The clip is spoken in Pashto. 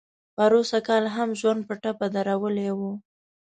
پروسږ کال هم ژوند په ټپه درولی و.